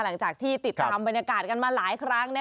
หลังจากที่ติดตามบรรยากาศกันมาหลายครั้ง